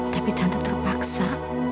tapi tante terpaksa